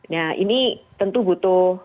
nah ini tentu butuh